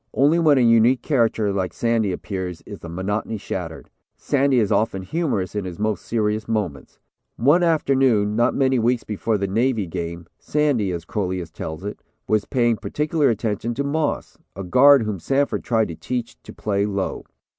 Only when a unique character like Sandy appears is the monotony shattered. Sandy is often humorous in his most serious moments. One afternoon not many weeks before the Navy game Sandy, as Crolius tells it, was paying particular attention to Moss, a guard whom Sanford tried to teach to play low.